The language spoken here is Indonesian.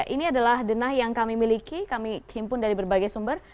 ini adalah denah yang kami miliki kami kimpun dari berbagai sumber